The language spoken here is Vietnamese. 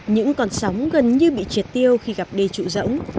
những con sóng gần như bị triệt tiêu khi gặp đê trụ rỗng